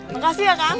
makasih ya kang